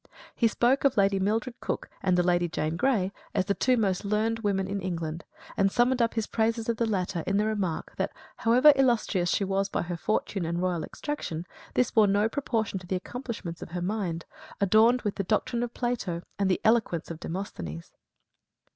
He spoke of Lady Mildred Cooke and the Lady Jane Grey as the two most learned women in England; and summed up his praises of the latter in the remark that "however illustrious she was by her fortune and royal extraction, this bore no proportion to the accomplishments of her mind, adorned with the doctrine of Plato and the eloquence of Demosthenes."